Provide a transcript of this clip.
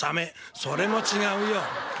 「それも違うよ。